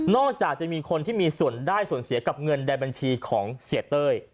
จากจะมีคนที่มีส่วนได้ส่วนเสียกับเงินในบัญชีของเสียเต้ย